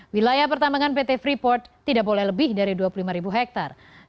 wilayah pertambangan pt freeport tidak boleh lebih dari dua puluh lima hektare